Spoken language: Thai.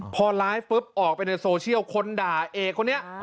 พอไลฟ์ปุ๊บออกไปในโซเชียลคนด่าเอกคนนี้